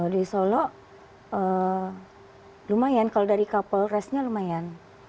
di solo lumayan kalau dari kapolresnya lumayan